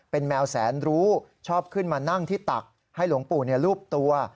เป็นแมวแสนรู้ชอบขึ้นมานั่งที่ตักให้หลวงปู่รูปตัว